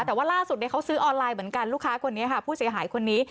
แต่ว่าล่าสุดเขาซื้อออนไลน์เหมือนกันลูกค้าคนนี้ค่ะผู้เสียหายคนนี้